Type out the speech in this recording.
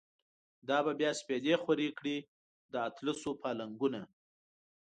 دا به بیا سپیدی خوری کړی، د اطلسو پا لنگونه